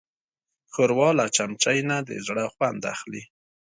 ښوروا له چمچۍ نه د زړه خوند اخلي.